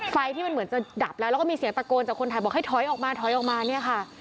ไฟที่มันเหมือนจะดับแล้วแล้วก็มีเสียงตะโกนจากคนไทยบอกให้ถอยออกมาถอยออกมาเนี่ยค่ะ